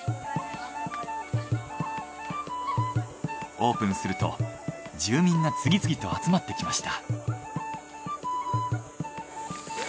オープンすると住民が次々と集まってきました。